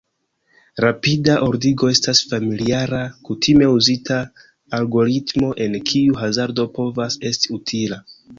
Rapida ordigo estas familiara, kutime uzita algoritmo en kiu hazardo povas esti utila.